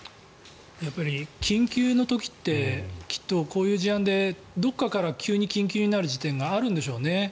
やっぱり、緊急の時ってきっとこういう事案でどこかから急に緊急になる時点があるんでしょうね。